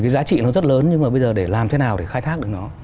giá trị nó rất lớn nhưng mà bây giờ để làm thế nào để khai thác được nó